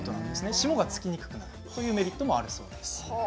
霜がつきにくくなるというメリットもあるそうです。